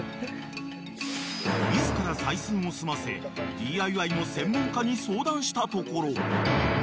［自ら採寸を済ませＤＩＹの専門家に相談したところ］